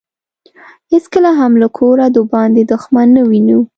هیڅکله هم له کوره دباندې دښمن نه وينو.